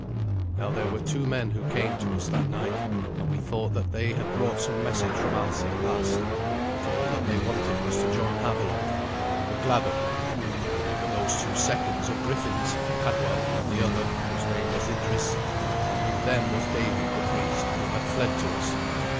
Now there were two men who came to us that night, and we thought that they had brought some message from Alsi at first. But all that they wanted was to join Havelok, and we were glad of them. They were those two seconds of Griffin's, Cadwal and the other, whose name was Idrys, and with them was David the priest, who had fled to us.